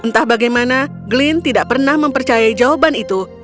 entah bagaimana glenn tidak pernah mempercayai jawaban itu